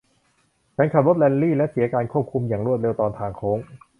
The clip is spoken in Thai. ฉันขับรถแรลลี่ และเสียการควบคุมอย่างรวดเร็วตอนทางโค้ง